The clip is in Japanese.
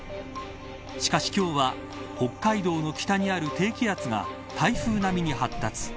しかし今日は北海道の北にある低気圧が台風並みに発達。